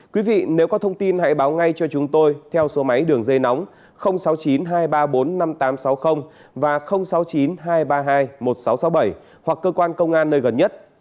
quý vị nếu có thông tin hãy báo ngay cho chúng tôi theo số máy đường dây nóng sáu mươi chín hai trăm ba mươi bốn năm nghìn tám trăm sáu mươi và sáu mươi chín hai trăm ba mươi hai một nghìn sáu trăm sáu mươi bảy hoặc cơ quan công an nơi gần nhất